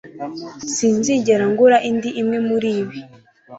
Sinzigera ngura indi imwe muribi